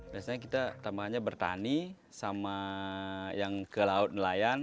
biasanya kita tambahannya bertani sama yang ke laut nelayan